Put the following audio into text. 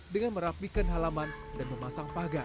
dengan merapikan halaman dan memasang pagar